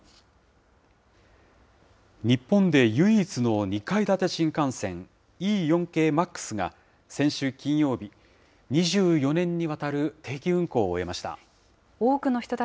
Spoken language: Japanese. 日本で唯一の２階建て新幹線、Ｅ４系Ｍａｘが、先週金曜日、２４年にわたる定期運行を終えました。